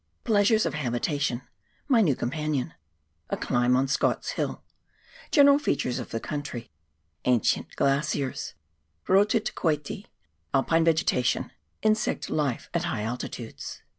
Pleasures of Habitation — My New Companion— A Climb on Scott's Hill — General Features of the Country — Ancient Glaciers — Eoto te Koeti — Alpine Vegetation — Insect Life at Higb Altitudes.